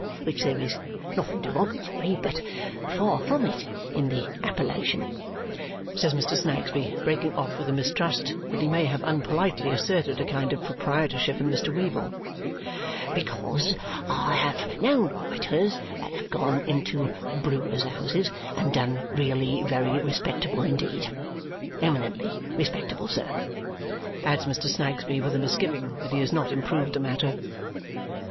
Which there is nothing derogatory, but far from it in the appellation," says Mr. Snagsby, breaking off with a mistrust that he may have unpolitely asserted a kind of proprietorship in Mr. Weevle, "because I have known writers that have gone into brewers' houses and done really very respectable indeed. Eminently respectable, sir," adds Mr. Snagsby with a misgiving that he has not improved the matter.